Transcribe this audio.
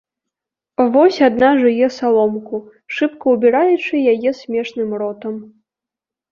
Вось адна жуе саломку, шыбка ўбіраючы яе смешным ротам.